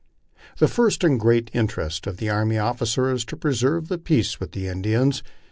The first and great interest of the army officer is to preserve peace with the Indians.